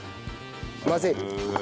混ぜる。